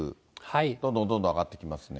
どんどんどんどん上がってきますね。